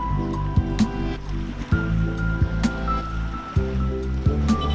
kami sudah berkembang dengan keamanan dan keamanan di kota ini